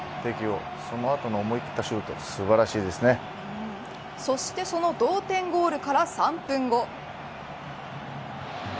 その後の思い切ったシュートそしてその同点ゴールから３分後。